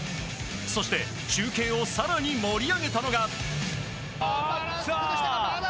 そして、中継を更に盛り上げたのが。